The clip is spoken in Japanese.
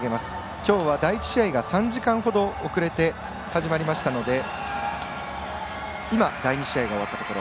きょうは第１試合が３時間ほど遅れて始まりましたので今、第２試合が終わったところ。